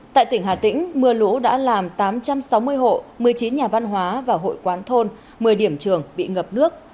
tại tỉnh hà tĩnh mưa lũ đã làm tám trăm sáu mươi hộ một mươi chín nhà văn hóa và hội quán thôn một mươi điểm trường bị ngập nước